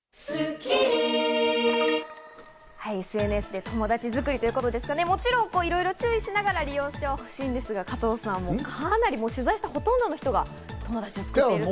ＳＮＳで友達作りということですが、もちろんいろいろ注意しながら利用してほしいんですが、加藤さん取材したほとんどの人が友達を作っている。